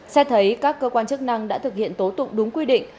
xét thấy các cơ quan chức năng đã thực hiện tố tụng đúng quy định